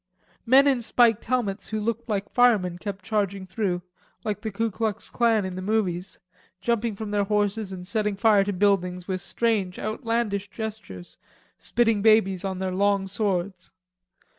Men in spiked helmets who looked like firemen kept charging through, like the Ku Klux Klan in the movies, jumping from their horses and setting fire to buildings with strange outlandish gestures, spitting babies on their long swords.